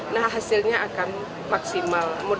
nah hasilnya akan maksimal